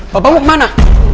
bapak mau kemana